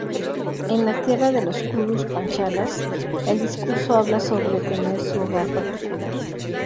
En la tierra de los kurus-panchalas, el discurso habla sobre tener su hogar particular.